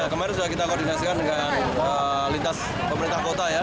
kemarin sudah kita koordinasikan dengan lintas pemerintah kota ya